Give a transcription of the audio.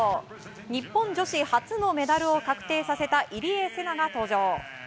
日本女子初のメダルを確定させた入江聖奈が登場。